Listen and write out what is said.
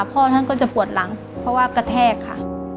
พ่อท่านก็จะปวดหลังเพราะว่ากระแทกค่ะ